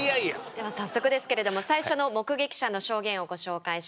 では早速ですけれども最初の目撃者の証言をご紹介します。